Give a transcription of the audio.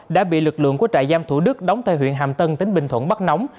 đã bị lực lượng của trại giam thủ đức đóng tại huyện hàm tân tỉnh bình thuận bắt nóng